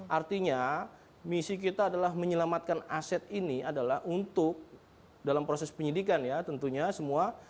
artinya misi kita adalah menyelamatkan aset ini adalah untuk dalam proses penyidikan ya tentunya semua